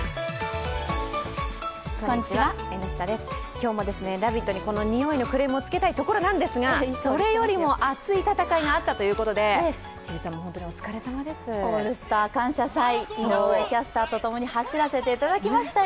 今日も「ラヴィット！」にこのにおいのクレームをつけたいところなんですが、それよりも熱い戦いがあったということで、日比さんも、ホントにお疲れ様です「オールスター感謝祭」、井上キャスターと共に走らせていただきましたよ。